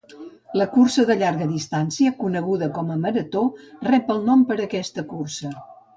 La cursa de llarga distància coneguda com a marató rep el nom per aquesta cursa.